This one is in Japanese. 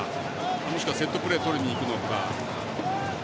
もしくはセットプレーとりにいくのか。